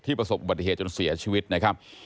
ประสบบัติเหตุจนเสียชีวิตนะครับ